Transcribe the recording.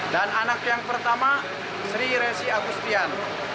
dan anak yang pertama sri resi agustian